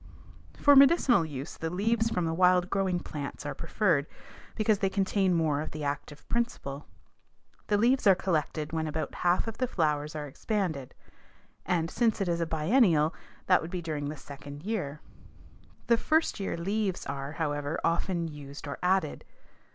For medicinal use the leaves from the wild growing plants are preferred because they contain more of the active principle. The leaves are collected when about half of the flowers are expanded and, since it is a biennial, that would be during the second year. The first year leaves are, however, often used or added.